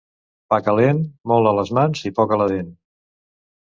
Pa calent, molt a les mans i poc a la dent.